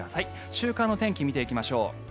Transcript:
週間の天気を見ていきましょう。